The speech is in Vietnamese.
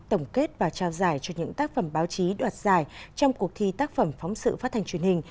tổng kết và trao giải cho những tác phẩm báo chí đoạt giải trong cuộc thi tác phẩm phóng sự phát hành truyền hình